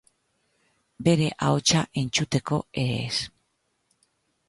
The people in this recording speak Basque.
Bere ahotsa entzuteko ere ez.